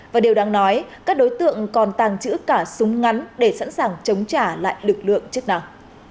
và điều đáng nói các đối tượng còn tàng trữ cả súng ngắn để sẵn sàng chống trả lại lực lượng chức năng